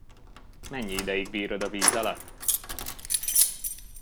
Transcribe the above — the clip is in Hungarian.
Mennyi ideig bírod a víz alatt?